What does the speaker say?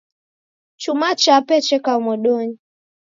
Chuma chape cheka modonyi.